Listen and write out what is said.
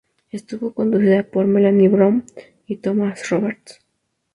Estuvo conducida por Melanie Brown y Thomas Roberts.